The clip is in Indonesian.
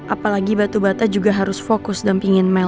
apalagi batu bata juga harus fokus dan pingin mel